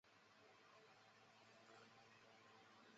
塞尔屈厄。